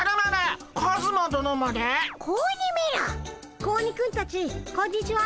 子鬼くんたちこんにちは。